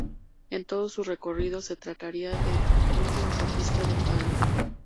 En todo su recorrido se trataría de una autopista de pago.